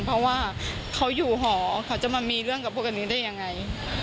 เพราะว่าเขาอยู่หอเขาจะมามีเรื่องกับพวกอันนี้ได้ยังไง